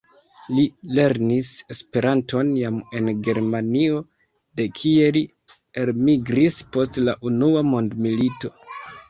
Li lernis Esperanton jam en Germanio, de kie li elmigris post la Unua mondmilito.